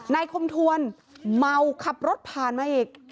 คมทวนเมาขับรถผ่านมาอีก